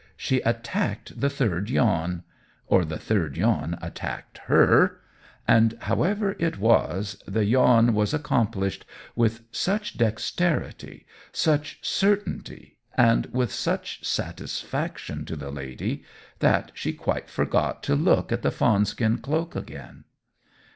she attacked the third yawn or the third yawn attacked her and however it was, the yawn was accomplished with such dexterity, such certainty, and with such satisfaction to the lady, that she quite forgot to look at the fawn skin cloak again.